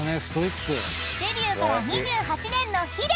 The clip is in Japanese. ［デビューから２８年のヒデ］